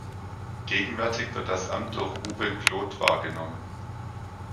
Gegenwärtig wird das Amt durch "Uwe Klodt" wahrgenommen.